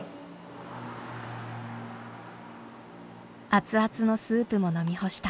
熱々のスープも飲み干した。